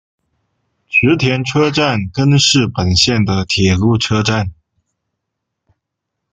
池田车站根室本线的铁路车站。